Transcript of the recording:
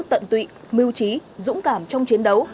tận tụy mưu trí dũng cảm trong chiến đấu